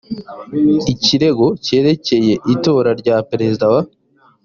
ikirego cyerekeye itora rya perezida wa